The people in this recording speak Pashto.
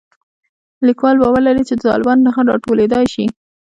لیکوال باور لري چې د طالبانو ټغر راټولېدای شي